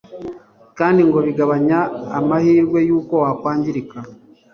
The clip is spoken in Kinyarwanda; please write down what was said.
kandi ngo bigabanya amahirwe y'uko wakwangirika